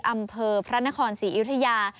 อำเภอพระนครสีอิวทะยา